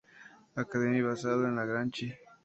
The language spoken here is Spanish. Academy basado en la de Grachi.